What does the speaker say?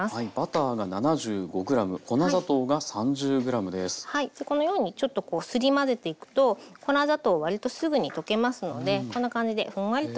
じゃあこのようにちょっとこうすり混ぜていくと粉砂糖割とすぐに溶けますのでこんな感じでふんわりとしますね。